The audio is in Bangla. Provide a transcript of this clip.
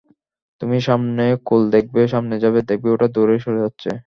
তুমি সামনে কূল দেখবে, সামনে যাবে, দেখবে ওটা দূরে সরে যাচ্ছে।